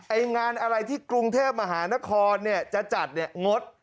ไอ้งานอะไรที่กรุงเทพมหานครจะจัดงด